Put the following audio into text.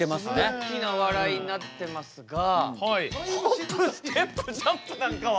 大きな笑いになってますが「ホップステップジャンプ」なんかは。